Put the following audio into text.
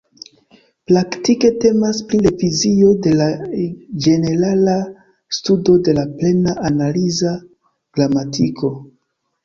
Praktike temas pri revizio de la ĝenerala studo de la Plena Analiza Gramatiko.